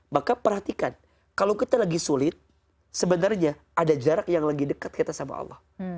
maka perhatikan kalau kita lagi sulit sebenarnya ada jarak yang lagi dekat kita sama allah